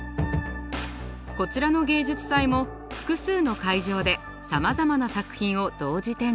こちらの芸術祭も複数の会場でさまざまな作品を同時展示。